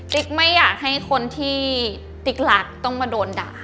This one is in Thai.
ไม่อยากให้คนที่ติ๊กรักต้องมาโดนด่า